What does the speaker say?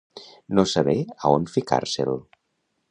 No saber a on ficar-se'l.